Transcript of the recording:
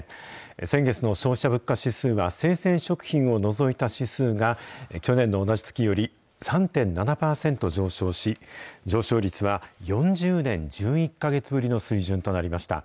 先月の消費者物価指数は、生鮮食品を除いた指数が、去年の同じ月より３．７％上昇し、上昇率は４０年１１か月ぶりの水準となりました。